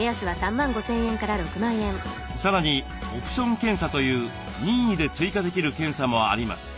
さらにオプション検査という任意で追加できる検査もあります。